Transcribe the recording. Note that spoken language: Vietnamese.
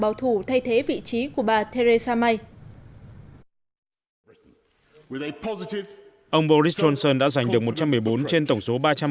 bảo thủ thay thế vị trí của bà theresa may ông boris johnson đã giành được một trăm một mươi bốn trên tổng số